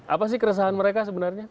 apa sih keresahan mereka sebenarnya